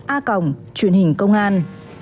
a còng truyền hình công an